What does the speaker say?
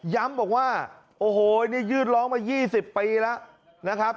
ย้ำบอกว่าโอ้โฮยื่นร้องมา๒๐ปีแล้ว